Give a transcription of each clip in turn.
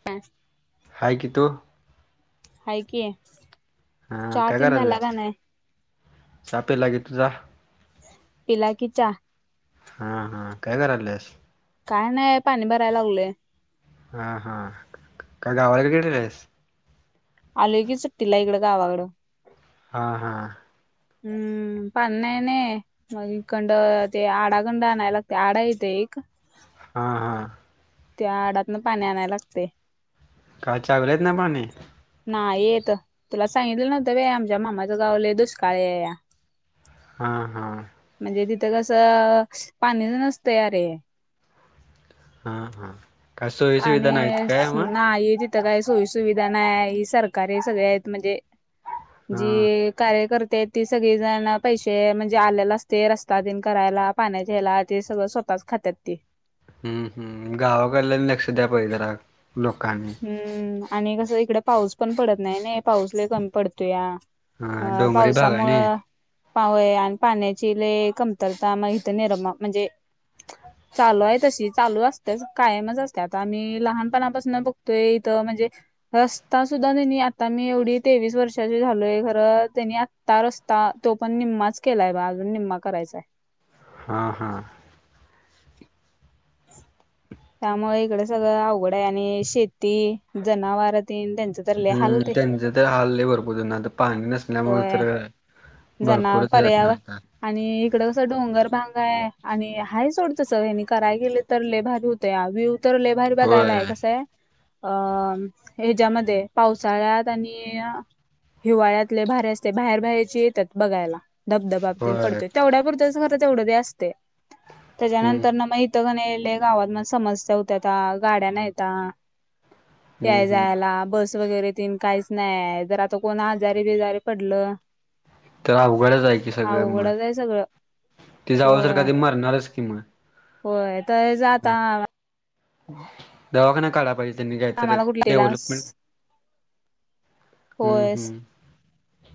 [inaudible] हाय की, तु? हाय की, हा चहा तेन झाला काय नाय. चहा पिला की तुझा. पिला की चा. हा हा, काय कराल्यास. काय नाही, पाणी भराय लागलोय. हा हा, काय गावाला गेलेलीस. आलोय की, सुट्टीला इकडं गावाकडं. हा हा. हम्म पाणी नैने. मग हिकंड ते आडागंड आणायला लागते, आडा इथे एक. हा. त्या आडातन पाणी आणाय लागतंय. का चावीला येत नाही पाणी. नाही येत तुला सांगितलं नव्हतं व्हयं, आमच्या मामाचं गाव लय दुष्काळी हाय. [inaudible] हा हा. म्हणजे तिथं कसं, पाणीच नसतंय अरे. हा हा, काय सोयी पाणी सुविधा नाहीत काय मग. नाही तिथं काही सोयीसुविधा नाही ही, सरकारी सगळे आहेत. म्हणजे हा जी कार्य करते ती सगळीजण पैसे म्हणजे, आलेला असते रस्ता तेनं करायला. पाण्याच्या हेला ते सगळं स्वतःचं खात्यात ती. हम हम, गावाकडल्यान लक्ष द्याय पाहिजे जरा लोकांनी. हम्म आणि कसं इकड पाऊस पण पडत नाही नी, पाऊस लय कमी पडतोया. हा हां डोंगरी भागाने पावसामुळं. पावय आणि पाण्याची लय कमतरता. मग इथे निर्मा म्हणजे, चालू आहे तशी चालू असते. कायमच असते आता आम्ही लहानपणा पासून बघ तोय इथं म्हणजे, रस्ता सुद्धा नाही. आता मी एवढी तेवीस वर्षाची झालोय. खरं त्यांनी आ ता रस्ता तो पण निम्माच केलाय, बा आजून निम्मा करायचाय. हां हां. [inaudible] त्यामुळे इकडं सगळं अवघड आहे, आणि शेती जनावरातेन तेचं. हम्म त्यांच तर हाल लय भरपूर होणारं, आता पाणी नसल्यामुळे होय तर. जना भरपूरच हे असणार पर्यावर आता. आणि इकडं कसं डोंगर भांग आहे. आणि हाय सोड तसं तेनी कराय गेले तर लय भारी होत त्या व्यूव तर लय भारी होय बघायला ये, कसं हाय. अ हेच्यामध्ये पावसाळ्यात. आणि, हिवाळ्यात लय भारी असते, बाहेर बाहेरची येत्यात बघायला. धबधबा तेनं होय पडतोय तेवढ्या पुुरतंच, खरं तेवढं ते असते. हम्म तेच्यानंतर मग इ [unintelligible] लय गावात म समस्या होत्या त्या गाड्या नाहीेता. हम्म याय हम्म जायला बस वगैरे, तेनं काहीच नाय, जर आता कोण आजारी बिजारी पडलं. तर अवघडच आहे की सगळं मग, अवघडच आहे सगळं ते जाऊस होय तर ते मरणारच की मग. होय [unintelligible] ह दवाखाना काढाय पाहिजे, त्यांनी काय तर आम्हाला कुठलीला डेव्हलपमेंट. हम्म होय हम्म.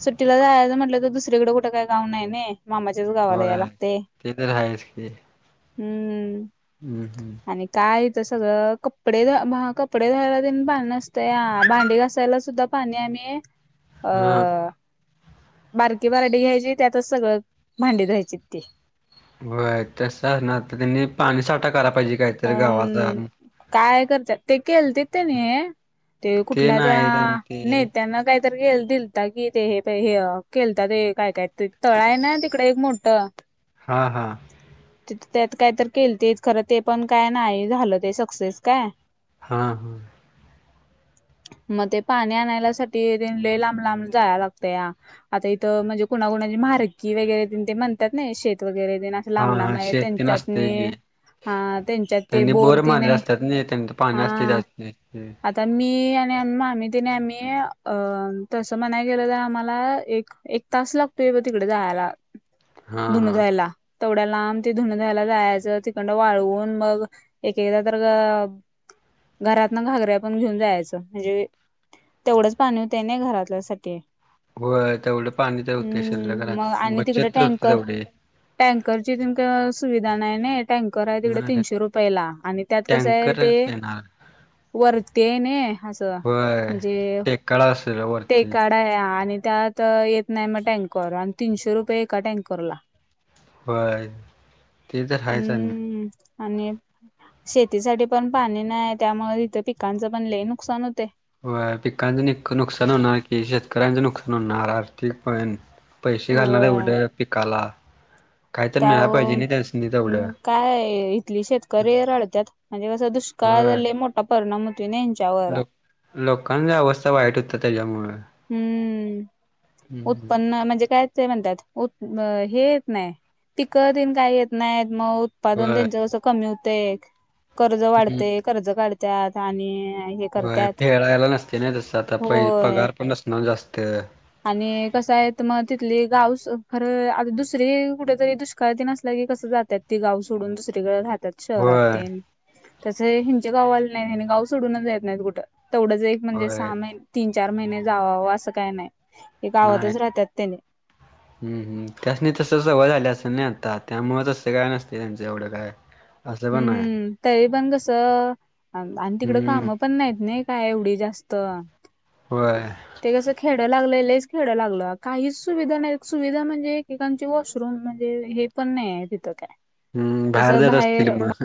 सुट्टीला जायचं म्हटलं तर, दुसरीकडे कुठ काही गाव नाय नई. मामच्याच गावाला यायला होय लागते ते तर आहेच की ह. हम्म हम्म.., आणि काय इथं सगळं कपडे कपडे धुवायला तेनी पाणी नसतंया, भांडी घासायला सुद्धा पाणी आम्ही. अ हा बारकी बारडी घ्यायची त्यातच, सगळं भांडी धुवायची ती. होय तस असणार तर, त्यांनी पाणी साठा करायला पाहिजे. काहीतरी गावाचा हम्म, काय करत्यात? ते केलती त्यांनी, ते कुठल्या त्या नाही त्यां ते नेत्यांना काही गे दिलता कि ते हे हे केलत ते काय काय तळ आहे ना तिकडे एक मोठं. [inaudible] हा हा. तिथ त्यात काय तर केलतीत, खरं ते पण काय नाही झालं ते सक्सेस काय. हां. मग ते पाणी आणायला साठी, टेन लय लांब लांब जाऊन लागते या. आता इथं म्हणजे कुणाकुणाची म्हरकी वगैरे देन ते म्हणतात ना शेत वगैरे देना. हा लांब हा लांब आहे, शेत तेन असतंय की त्यांच्यातनी. हा त्यांच्यात ते त्यांनी बोर तीन मारले हाय, असतात ना त्यांच पाणी हा असतंय जास्त आ तर मी आणि मामी त्यांनी आम्ही तसं म्हणायला गेला तर आम्हाला एक एक तास लागतोय बग, तिकडे जायला. हा धुन हा धुवायला, तेवड्या लांब ते धुन धुवायला जायचं तिकड. तीकड वाळवून मग एकदा तर घरात ना घागऱ्या पण घेऊन जायचं, म्हणजे तेवढंच पाणी होते ना, घरातल्या साठी. हो तेवढे पाणी ते होते, शिल्लक हम्म मग रात्री आणि तिकडे बच्चत होते टँकर तेवढी. टँकरची सुविधा नाही नई टँ टँकर हाय तिकडं नाही तीनशे रुपयाला, आणि त्यात कसं आहे ते. टँकरच येणार वरती आहे नि असं होय म्हणजे टेकाळा असेल वरती तेकाढ. आणि त्यात येत नाही मग टँक, र आणि तीनशे रुपये एका टँकरला. होय ते तर ह्याच आणि. हम्म आणि शेतीसाठी पण पाणी नाही, त्यामुळे तिथं पिकांचं पण ले नुकसान होते. होय पिकांच नुकसान होणार कि, शेतकऱ्यांचं नुकसान होणार ते पण. पैसे घालणार कुठ होय पिकाला, काहीतर त्या मिळाला पाहिजे ना त्यासनी. तेवढं काय इथली शेतकरी रडत्यात, म्हणजे कसं दुष्काळ जर होय लय मोठा. परिणाम होतोय ना, हेनच्या वर. लोकांना अवस्था वाईट होत, त्याच्यामुळे. हम्म, उत्पन्न म्हणजे काय? ते म्हणतात हे येत नाही, पिकतन काही येत नाही मग. उत्पादन होय त्यांचं कसं कमी होते, कर्ज हम्म वाढतय कर्ज काढत्यात आणि हे व्हय करत्यात फेडायला नसते ना, तस आता होय. पगार पण नसणार जास्त. आणि कसं आहे मग तिथली गाव खरं आता दुसरी कुठेतरी दुष्काळ टेन नसला की कसं जात त्यात ते गाव सोडून, दुसरीकडे राहतात. शहरात होय ते तस हिंच्या गावाला नाही ह गाव सोडूनच येत नाहीत कुठं तेवढंच एक. म्हणजे होय सहा महिने, तीन-चार महिने जावावा असं काही नाही. गावातच राहतात त्याने. हम् हम त्यास नी तसं सवय व झाल्या असं नाही आता त्यामुळे तस काय नसते त्यांचं एवढं काय. असं पण आहे हम्म तरी पण कसं आणि तिकड हम्म कामं पण नाहीत नाही. काय एवढी जास्त. व्हय. ते कस खेरड्या लागलं लच खेरड्या लागलं काहीच सुविधा नाही सुविधा म्हणजे लकांचे वॉशरूम म्हणजे हे पण नाही आहे तिथं काय हम्म बाहेर जात असतील मग.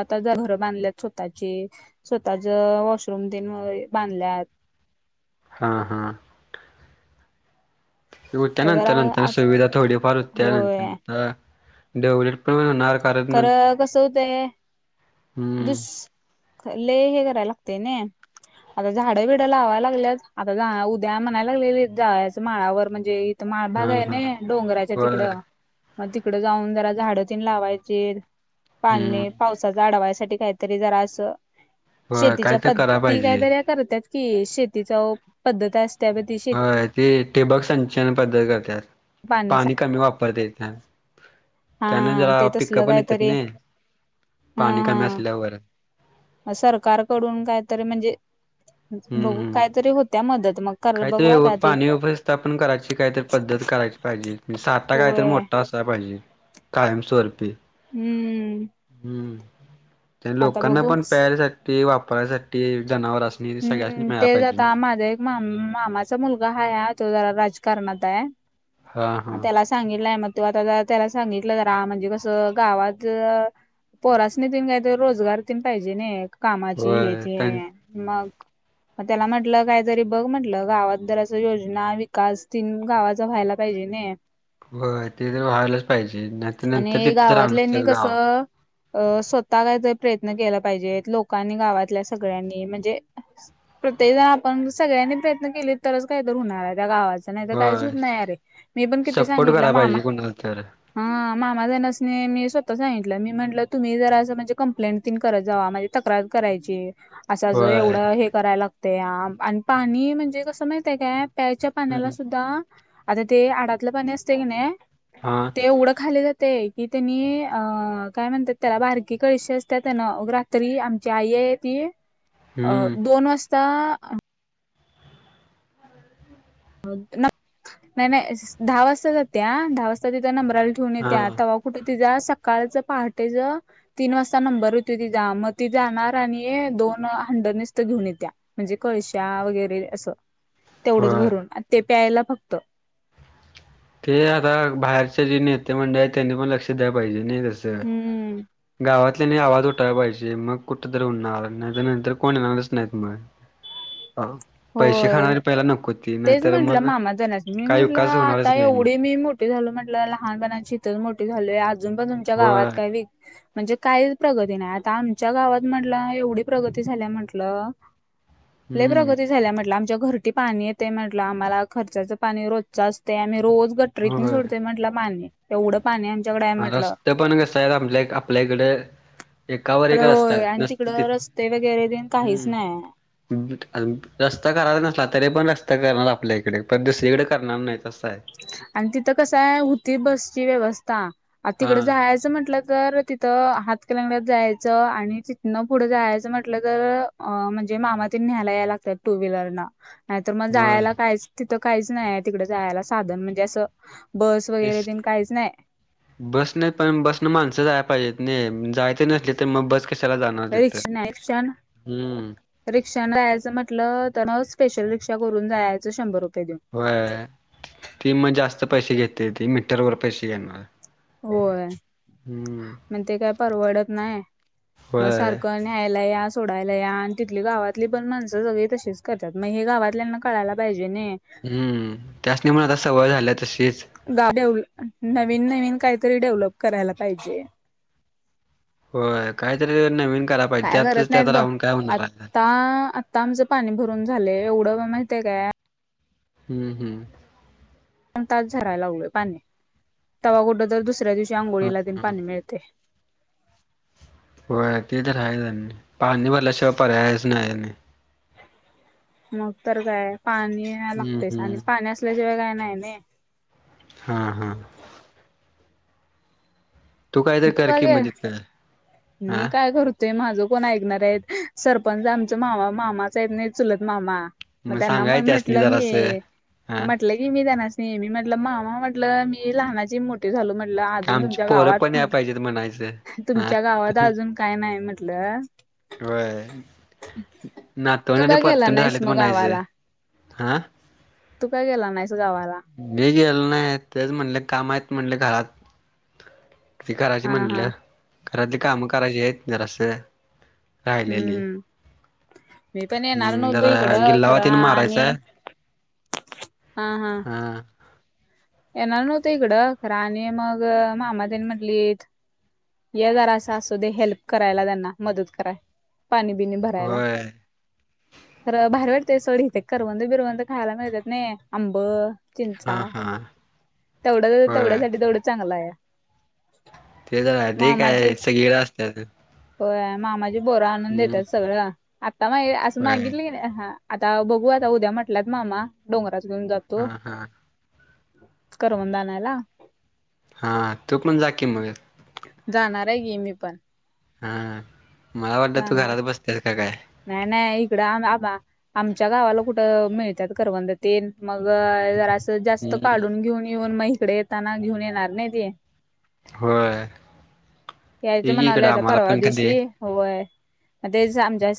आता ज घरं बांधल्यात स्वतः ची स्वतः ज वॉशरूम देन बांधल्यात. हां हां. तर जरा होत्यानंतर नंतर आज सुविधा थोडीफार होत्या होय नंतर डेवलप पण होणार. कारण नं- खरं कस होतंय. हम्म दुस ले हे करायला लागते न. आता झाडं बिड लावायला लागल्यात आता उद्या म्हणायला लागले जाळ्याच्या माळावर म्हणजे हा माळभगायने हा आहे ना डोंगराच्या होय तिकडं. मग तिकड जाऊन जरा झाडं तीन लावायचे हम्म पाणी पावसाचा आडवायच. कात जरा असं होय काय शेतीच्या तर करा पत्ती पाहिजे काहीतरी करत्यात की शेतीचा पद्धत अस हो ते ठिबक संचन पद्धत करतात पाणी कमी वापरते. हा त्यान जरा ते पिकं तसलं पण येतात काहीतरी ना हा पाणी कमी असल्यावर. सरकारकडून काहीतरी म्हणजे हम्म बघू हम्म कायतरी होत्या मदत मग. कर बघू काहीतरी आता ती पाणी व्यवस्थितापण करायची काहीतरी पद्धत करायची पाहिजे म्हणजे साठा कायतरी होय अस पाहिजे कायमस्वरपी हम्म. हम्म आता बघू लोकांनापण प्यारसाठी ते वापरायसाठी जनावर असते हम्म ते आता माझा एक मामाचा मुलगा हा तो जरा राजकारणात आहे हा हा त्याला सांगितलंय मग तू आता त्याला सांगितलं जरा म्हणजे कसं गावात. पोरासणी तन काहीतरी रोजगार त पाहिजे न कामाची हे होय ते त्यां मग. मग त्याला म्हटलं काहीतरी बघ म्हटलं गावात जर अस योजना विकास तीन गावाचा व्हायला. पाहिजे ने. हो ते तर व्हायलाच पाहिजे नाहीतर नंतर आणि तिथे गावातल्यांनी राहणार गाव. कसं अ स्वतः कायतरी प्रयत्न केला पाहिजे लोकांनी गावातल्या सगळ्यांनी म्हणजे. प्रत्येक जण आपण सगळ्यांनी प्रयत्न केले तरच काही तर होणार आहे त्या गावाच. नाही तर काहीच होत होय नाही अरे मी पण किती सांगितलं मामा खरंतर हा मामाजणसनी मी मी म्हटलं तुम्ही जरा असं म्हणजे कंप्लेट तिन करत जावा. तक्रार करायची. असा ज होय एवढं हे करायला लागत आणि पाणी म्हणजे कसं माहितय काय? प्यायच्या पाण्याला हम्म सुद्धा आता ते आडातलं पाणी असते की नाही हा. ते एवढं खाली जाते की त्यांनी अ काय म्हणतात त्याला बारकी कळीशी असते त्यान तरी आमची आई ती अ हम्म दोन वाजता नाही नाही दहा वाजता जातेया दहा वाजता नंबराल ठेवून हा येते आता कुठे तिच्या सकाळचं पहाटेच तीन वाजता नंबर होती ति जा मग ती जाणार आणि दोन हंड निसत घेऊन येत्या. म्हणजे कळश्या वगैरे असं तेवढंच होय भरून ते प्यायला फक्त ते आता बाहेरचे जे नेते मंडळी आहेत त्यांनी पण लक्ष द्याय पाहिजे नाही तसं. हम्म गावातल्यांनी आवाज उठाला पाहिजे मग कुठ होणार नाहीतर नंतर कोण येणारच नाहीत मग. हा. होय तेच म्हटलं मग मामा त्यांनासनी मी काही म्हंटलं विकास आता होणारच नाही मग एवढी मी मो मोठी झालोय म्हटलं लहानपणाची इथ मोठी झालोय अजून पण तुमच्या गावात होय काही व म्हणजे काहीच प्रगती नाही आता आमच्या गावात म्हटलं एवढी प्रगती झाल्या म्हटल. लय हम्म प्रगती म्हटलं आमच्या घर पाणी येते म्हटलं आम्हाला खर्च पाणी रोजचं असते आम्ही रोज [unintelligible] होय सोडतय म्हटलं पाणी एवढं पाणी आमच्याकडे हा म्हटलं रस्ते पण कस आहेत आपल्या आपल्याकडे एकावर एक रस्ता आणि नुसत ते तिकडं रस्ते वगैरे तेन काहीच नाही हम् रस्ता करायचा नसला तरी पण रस्ता करणार आपल्या इकडे प दुसरीकडे करणार नाही त असं आहे. आणि तिथं कसं आहे होती बसची व्यवस्था आ हा तिकड जायचं आहे. असं म्हटलं तर तिथं हातकलंगलेत जायचं आणि तिथनं पुढं जायचं म्हटलं तर अ म्हणजे मामा तेनी निहायला याला लागतात टू व्हीलरन. नाय तर मग होय कायच नाय साधन जायाला तिकडं म्हणजे असं. बस वगैरे तेन कायचं नाय. बस नाही पण बसन माणसं जाय पाहिजेत नाही जायचे नसले तर मग बस. कशाला जाणार तिथं हुं रिक्षाने जायचं म्हटलं तर ना स्पेशल रिक्षा करून जायचं शंभर रुपये देऊन. होय ती मग जास्त पैसे घेते ती मीटर वर पैसे घेणार. होय हम्म म ते काय परवडत नाही मग होय सारखं आणि न्यायला या सोडायला या तिथली गावातली पण माणसं सगळी तसंच करतात मग हे गावातल्यांना कळायला पाहिजे नाय. हुं त्यास्नी पण आता सवय झाल्या तशीच. गाव तेवढं डेव्हलप नवीन नवीन काहीतरी डेव्हलप करायला पाहिजे. होय काय तरी नवीन कराय पाहिजे काय करत त्यातच नाय त्यात तं बग राहून काय होणार आहे आत्ता आता आमचं पाणी भरून झालेय एवढं बा माहितय काय हम्म हम्म. पण तच झरायला लागलोय पाणी तवा कुठं तर दुसऱ्या दिवशी आंघोळीला तेन पाणी मिळते. व्हय ते तर हाय पाणी भरल्याशिवाय पर्याय नाय. मग तर काय पाणी हम्म लागतेच आणि हम्म पाणी असल्याशिवाय काय नाही ना. हा. हा. तू काय तरी कर की मग तिथं. हा मी काय करू ते माझं कोण ऐकणार हायतं सरपंच आमचं मामाच हाय चुलत मामा. मग त्यांना सांगाय मग त्यासनी म्हटलं मी जरासं हा म्हटलं. की मी म्हटलं त्यांनासनी मामा मी लहानाची मोठी. मोठी झालो अजून आमची तुमच्या पोरं पण गावात या पाहिजेत म्हणायचं हा तुमच्या गावात अजून काय नाय म्हटलं. व्हयं. तू नातवंड का गेला परतूड नाहीस झालेत मग म्हणायचं आ. तु का गेला नाहीस गावाला. मी गेलो नाय तेच म्हणलं, काम हायतं म्हणलं घरात. ती कराची हा हा म्हलं घरातली कामं करायची, हायतं जराशी हम्म राहिलेली. हम्म मी पण येणार हम्म नव्हतो. जरा इकडं गिल्लावा खरं तेन मारायचा आणि, हा हा. येणार नव्हतो हिकडं खरं, आणि मग मामातेन म्हटलीत. ये जरासं असूदे हेल्प करायला, मदत करायला पाणी बिनी भरायला. होय खरं भारी वाटतंय सोड इथं, करवंद बिरवंद खायला मिळत्यातनी आंब चिंचा. हा हा तेवढं होय तेवढ्यासाठी तेवढंच चांगलं हाया. ते तर काय, ते काय सगळीकडं असत्यात. हो मामाची पोरं आणून हम्म देतात सगळं, आता मा असं होय मागितलं की हा. आता बघू आता उद्या म्हटल्यात, मामा डोंगरात घेऊन जातो. हा हा. करवंद आणायला. हां तु पण जा, की मग. जाणाराय की मी पण. हा मला वाटलं की तू, जाणार घरात बसत्यास का काय. नाही नाही इकडं आम आबा. आमच्या गावाला कुठं मिळत्यात करवंद तेन मग जरासं. त जास्त हम्म काढून घेऊन येऊन मग इकडं येताना घेऊन येणार नाही ते. होय. यायचं ये की म्हणालोय इकडं आता आम्हाला परवा पण कधी दिवशी, व्हयं तेच आमच्या.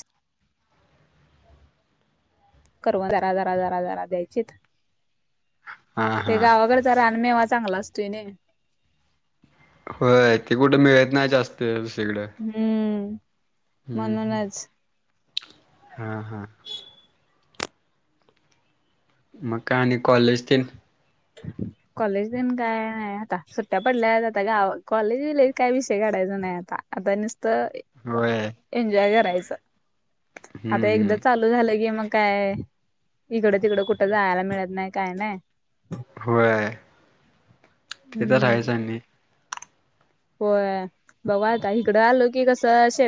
करवंद जरा जरा जरा जरा द्यायचित हा ते हा गावाकड. रानमेवा चांगला असतोय नी. होय ते, कुठं मिळत नाही जास्त. ते दुसरीकडं हम्म हम हम. म्हणूनच हा हा. मग काय आणि कॉलेज तेनं. [inaudible] कॉलेज तेण काय नाही आता सुट्या पडल्या आता, गाव कॉलेज बीलेज काय विषय काढायचा नाही आता. आता निस्त. व्हयं. एन्जॉय करायचं, आता हम्म एकदा हम्म चालू हे झालं की मग काय, इकडं तिकड कुठं जायला मिळत नाही काय नाही. होय, ते तर हम्म आहेच आणि. होय बघु आता हिकडं आलो की कसं, शेत